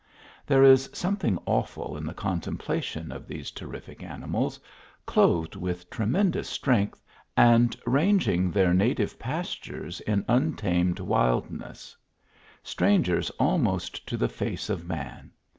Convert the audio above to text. There is something awful in the contemplation of tnese terrific animals, clothed with tremendous strength, and ranging their native pastures, in un tamed wildness : strangers almost to the face of man.